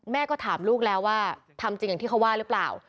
ก็ถามลูกแล้วว่าทำจริงอย่างที่เขาว่าหรือเปล่า